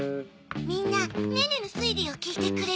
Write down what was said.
みんなネネの推理を聞いてくれる？